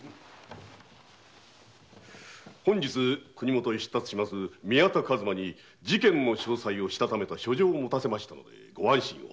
本日国許へ出立する宮田数馬に事件の詳細をしたためた書状を持たせましたゆえご安心を。